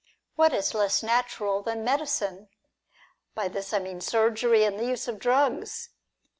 What is less natural than medicine ? By this I mean surgery, and the use of drugs.